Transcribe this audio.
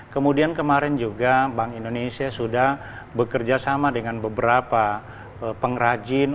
kemudian kemarin juga bank indonesia sudah bekerja sama dengan beberapa pengrajin